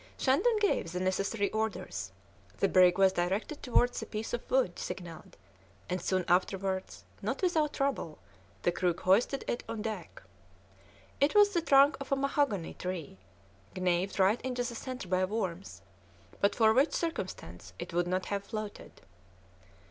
Shandon gave the necessary orders; the brig was directed towards the piece of wood signalled, and soon afterwards, not without trouble, the crew hoisted it on deck. It was the trunk of a mahogany tree, gnawed right into the centre by worms, but for which circumstance it would not have floated.